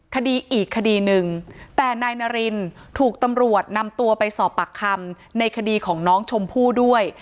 คดีอีกคดีหนึ่งแต่นายนารินถูกตำรวจนำตัวไปสอบปากคำในคดีของน้องชมพู่ด้วย